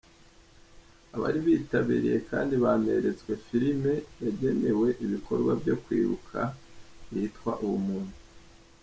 Abari bitabiriye kandi baneretswe film yagenewe ibikorwa byo kwibuka yitwa “Ubumuntu”.